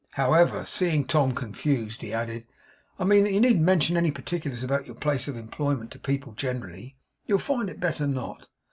However, seeing Tom confused, he added, 'I mean that you needn't mention any particulars about your place of employment, to people generally. You'll find it better not.